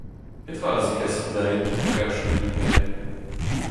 Petra a zegasit din, frer Juniper ?